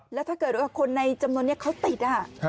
แล้วถ้าเกิดว่าคนในจำนวนนี้เขาติด